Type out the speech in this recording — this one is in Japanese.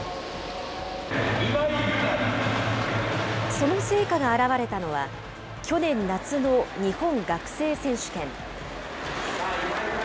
その成果が現れたのは、去年夏の日本学生選手権。